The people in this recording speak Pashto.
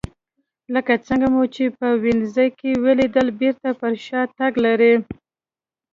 لکه څنګه مو چې په وینز کې ولیدل بېرته پر شا تګ لري